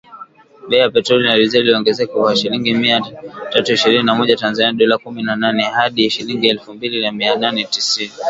Bei ya petroli na dizeli iliongezeka kwa shilingi mia tatu ishirini na moja za Tanzania ( dola kumi na nne) hadi shilingi elfu mbili mia nane sitini